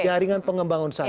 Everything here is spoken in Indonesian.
jaringan pengembang usahanya